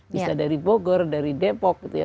bisa dari bogor dari depok gitu ya